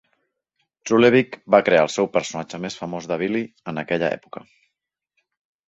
Zulevic va crear el seu personatge més famós de "Billy" en aquella època.